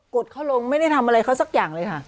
ดเขาลงไม่ได้ทำอะไรเขาสักอย่างเลยค่ะ